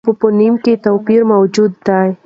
په فونېم کې توپیر موجود دی.